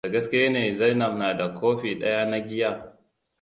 Da gaske ne Zainab na da kofi ɗaya na giya.